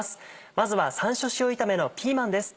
まずは山椒塩炒めのピーマンです。